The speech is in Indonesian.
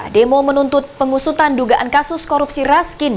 demo menuntut pengusutan dugaan kasus korupsi raskin